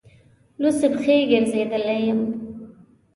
لوڅې پښې ګرځېدلی یم.